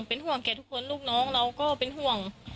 เป็นห่วงแก่ทุกคนลูกน้องเราก็เป็นห่วง